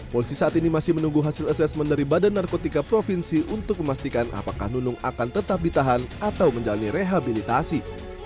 polisi saat ini masih menunggu hasil asesmen dari badan narkotika provinsi untuk memastikan apakah nunung akan tetap ditahan atau menjalani rehabilitasi